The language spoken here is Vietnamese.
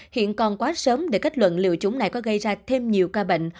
hiện còn quá sớm để kết luận liệu chúng này có gây ra thêm nhiều ca bệnh